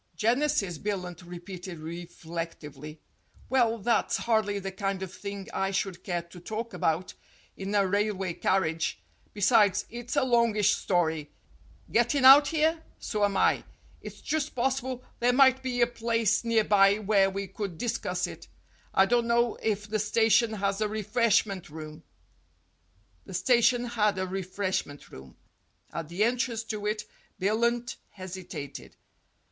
"Genesis," Billunt repeated reflectively. "Well, that's hardly the kind of thing I should care to talk about in a railway carriage. Besides, it's a longish story. Gettin' out here? So am I. It's just possible there might be a place near by where we could discuss it. I don't know if the station has a refreshment room." The station had a refreshment room. At the en trance to it Billunt hesitated.